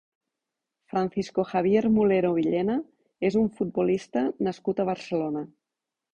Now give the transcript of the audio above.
Francisco Javier Mulero Villena és un futbolista nascut a Barcelona.